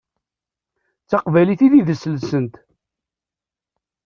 D taqbaylit i d idles-nsent.